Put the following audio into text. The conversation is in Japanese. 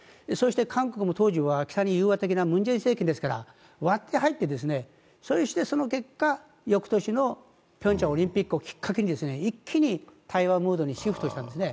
韓国も当時は、北に融和的なムン・ジェイン政権ですから割って入ってその結果、翌年のピョンチャンオリンピックをきっかけに一気に対話モードにシフトしたんです。